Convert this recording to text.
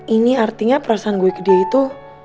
ini artinya perasaan gue dia itu